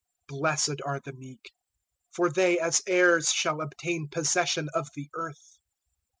005:005 "Blessed are the meek, for they as heirs shall obtain possession of the earth.